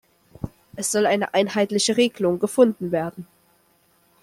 Es soll eine einheitliche Regelung gefunden werden.